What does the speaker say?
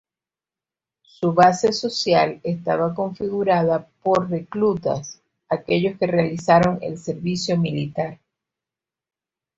Su base social estaba configurada por reclutas, aquellos que realizaron el servicio militar.